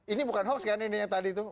ini bukan hoax kan yang tadi tuh